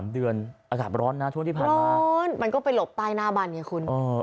๓เดือนอันดับร้อนมันก็กลับไปหลบที่นาบัน